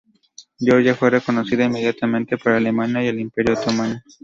Georgia fue reconocida inmediatamente por Alemania y el Imperio otomano.